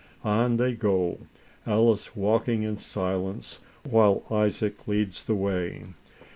On they go, Alice walking in silence, while Isaac leads the way.